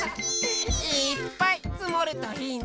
いっぱいつもるといいね。